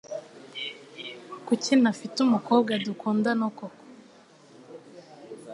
Kuki ntafite umukobwa dukundana koko?